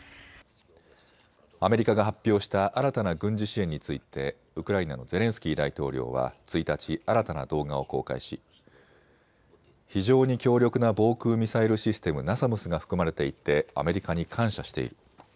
アメリカが発表した新たな軍事支援についてウクライナのゼレンスキー大統領は１日、新たな動画を公開し非常に強力な防空ミサイルシステムナサムスが含まれていてアメリカに感謝している。